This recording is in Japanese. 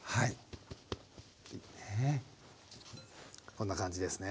こんな感じですね。